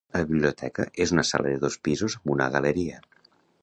La biblioteca és una sala de dos pisos amb una galeria.